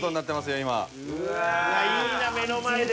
いいな目の前で。